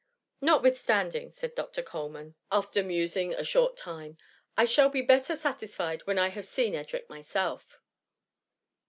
^Notwithstanding,^ said Dr. Coleman, after 186 THE MUMMY. musing a short time, ^* I shall be better satisfied when I have seen Edric myself.''